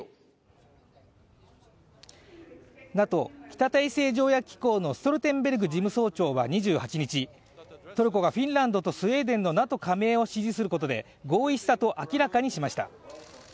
ＮＡＴＯ＝北大西洋条約機構のストルテンベルグ事務総長は２８日トルコがフィンランドとスウェーデンのＮＡＴＯ加盟を支持することで合意したと明らかにしました。